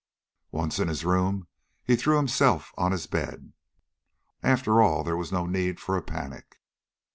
Once in his room he threw himself on his bed. After all there was no need for a panic.